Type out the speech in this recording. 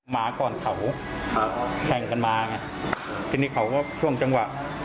มาก่อนเขาครับแข่งกันมาไงทีนี้เขาก็ช่วงจังหวะ